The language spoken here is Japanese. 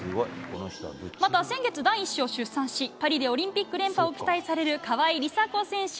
また、先月、第１子を出産し、パリでオリンピック連覇を期待される川井梨紗子選手。